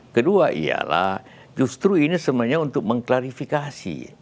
kedua ialah justru ini sebenarnya untuk mengklarifikasi